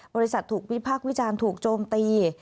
บริษัทถูกปิดพักวิจารณ์ถูกโจมตี